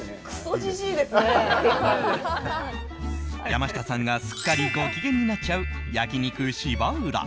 山下さんがすっかりご機嫌になっちゃう焼肉芝浦。